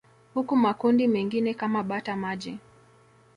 Huku makundi mengine kama bata maji